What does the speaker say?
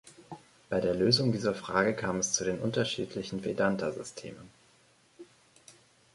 Bei der Lösung dieser Frage kam es zu den unterschiedlichen Vedanta-Systemen.